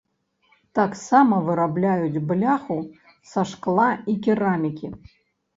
Таксама вырабляюць бляху са шкла і керамікі.